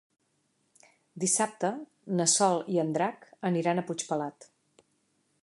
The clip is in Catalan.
Dissabte na Sol i en Drac aniran a Puigpelat.